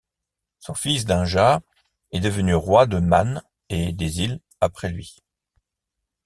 Son fils Dingat est devenu roi de Man et des Îles après lui.